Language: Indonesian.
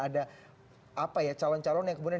ada apa ya calon calon yang kemudian